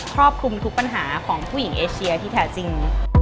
ครอบคลุมทุกปัญหาของผู้หญิงเอเชียที่แท้จริง